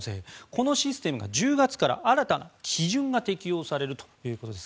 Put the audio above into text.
このシステムが１０月から新たな基準が適用されるということです。